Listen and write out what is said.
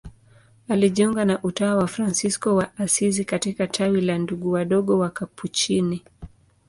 Alijiunga na utawa wa Fransisko wa Asizi katika tawi la Ndugu Wadogo Wakapuchini.